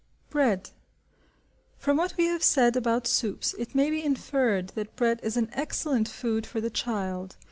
Bread. From what we have said about soups, it may be inferred that bread is an excellent food for the child.